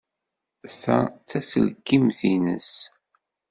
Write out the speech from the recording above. Ta d taselkimt-nnes.